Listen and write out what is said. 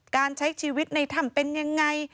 การใช้ชีวิตในถ้ำเป็นยังไง